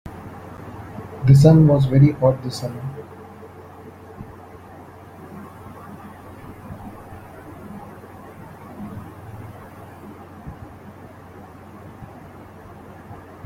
The sun was very hot this summer.